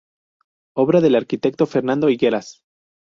Obra del arquitecto Fernando Higueras.